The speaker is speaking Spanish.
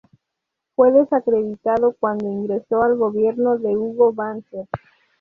Fue desacreditado cuando ingresó al gobierno de Hugo Banzer.